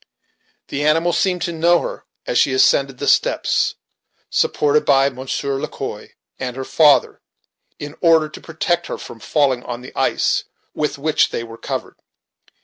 The animal seemed to know her, as she ascended the steps, supported by Monsieur Le Quoi and her father, in order to protect her from falling on the ice with which they were covered.